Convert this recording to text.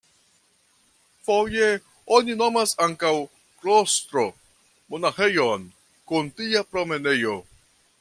Foje oni nomas ankaŭ "klostro" monaĥejon kun tia promenejo.